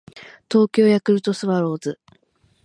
東京ヤクルトスワローズ